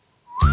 あ。